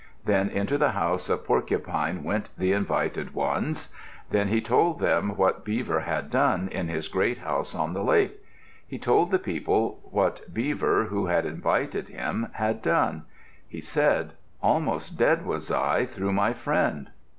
Then into the house of Porcupine went the invited ones. Then he told them what Beaver had done in his great house on the lake. He told the people what Beaver, who had invited him, had done. He said, "Almost dead was I through my friend."